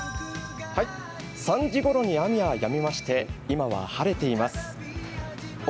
３時ごろに雨はやみまして、今は、晴れています。